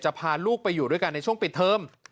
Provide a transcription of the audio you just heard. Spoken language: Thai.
พาลูกไปอยู่ด้วยกันในช่วงปิดเทอม